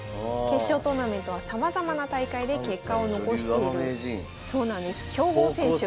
決勝トーナメントはさまざまな大会で結果を残している関西女流アマ名人。